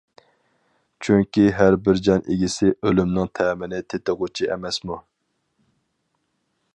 چۈنكى ھەر بىر جان ئىگىسى ئۆلۈمنىڭ تەمىنى تېتىغۇچى ئەمەسمۇ.